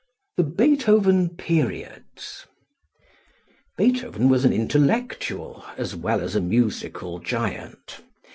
The Beethoven Periods. Beethoven was an intellectual as well as a musical giant.